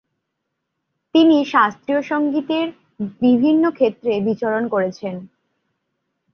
তিনি শাস্ত্রীয় সংগীতের বিভিন্ন ক্ষেত্রে বিচরণ করেছেন।